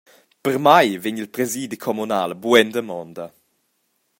Per mei vegn il presidi communal buc en damonda.